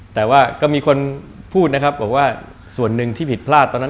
แต่ว่าก็มีคนพูดนะครับบอกว่าส่วนหนึ่งที่ผิดพลาดตอนนั้น